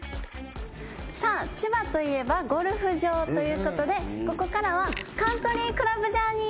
さあ千葉といえばゴルフ場ということでここからはカントリークラブジャーニーです。